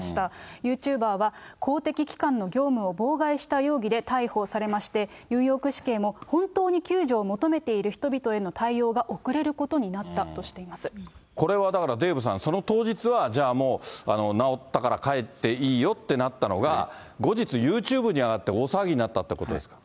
ユーチューバーは公的機関の業務を妨害した容疑で逮捕されまして、ニューヨーク市警も、本当に救助を求めている人々への対応が遅れこれはだからデーブさん、その当日は、じゃあもう、なおったから帰っていいよってなったのが、後日、ユーチューブに上がって大騒ぎになったということですか？